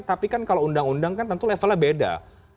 tapi kan kalau undang undang kan tentu levelnya beda